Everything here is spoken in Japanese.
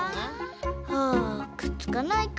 あくっつかないか。